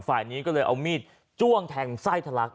ฝ่ายนี้ก็เลยเอามีดจ้วงแทงไส้ทะลัก